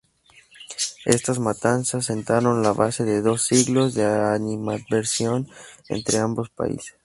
Estas matanzas sentaron la base de dos siglos de animadversión entre ambos países.